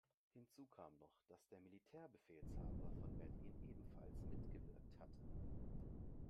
Hinzu kam noch, dass der Militärbefehlshaber von Berlin ebenfalls mitgewirkt hatte.